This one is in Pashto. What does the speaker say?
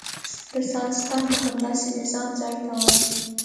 رنسانستان د همداسې نظام ځای ته وايي.